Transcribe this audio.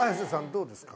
どうですか？